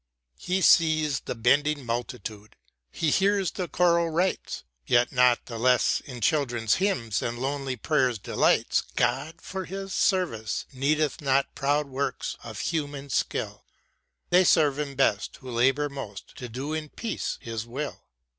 He sees the bending multitude, He hears the choral rites. Yet not the less in children's hymns and lonely prayer delights God for His service needeth not proud works of human skill ; They serve Him best who labour most to do in peace His will.